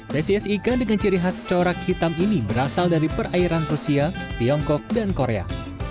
spesies ikan dengan ciri khas corak hitam ini berasal dari perairan rusia tiongkok dan korea